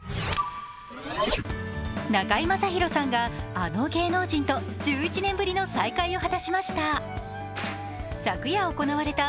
中居正広さんが、あの芸能人と１１年ぶりの再会を果たしました。